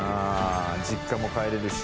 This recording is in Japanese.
実家も帰れるし。